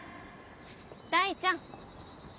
大ちゃん